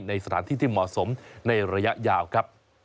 ในสถานที่ที่เหมาะสมในระยะยาวครับ